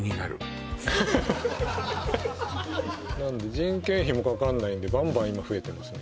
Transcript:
人件費もかからないんでバンバン今増えてますね